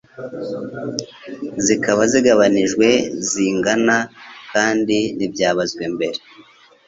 zikaba zigabanijwe zingana kandi nibyabazwe mbere